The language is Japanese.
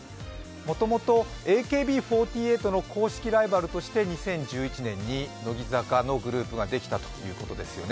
もともとＡＫＢ４８の公式ライバルとして２０１１年に乃木坂のグループができたということですよね。